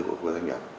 của các doanh nghiệp